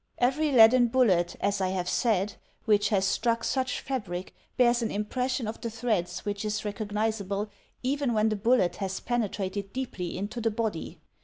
" Every leaden bullet, as I have said, which has struck such fabric bears an impression of the threads which is recognizable even when the bullet has penetrated deeply into the body.